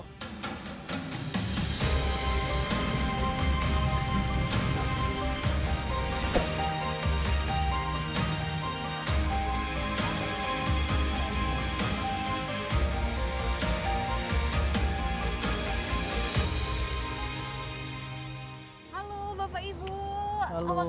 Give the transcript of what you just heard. halo bapak ibu apa kabar